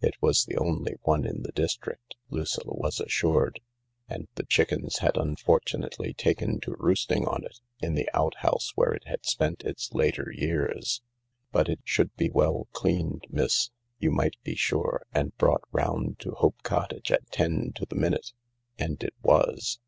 It was the only one i n the district, Lucilla was assured — and the chickens had unfortunately taken to roosting on it, in the outhouse where it had spent its later years. But it should be well cleaned, miss, you might be sure, and brought round to Hope Cottage at ten to the minute. And it was.